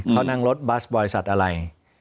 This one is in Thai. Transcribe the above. เขานั่งรถบัสบริษัทอะไร